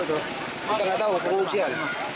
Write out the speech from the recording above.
kita nggak tahu pengungsian